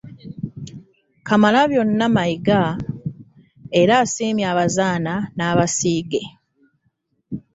Kamalabyonna Mayiga era asiimye Abazaana n'Abasiige